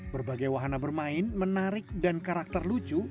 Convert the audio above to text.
berbagai wahana bermain menarik dan karakter lucu